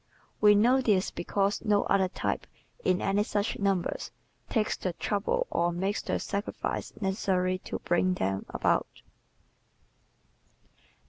We know this because no other type, in any such numbers, takes the trouble or makes the sacrifices necessary to bring them about.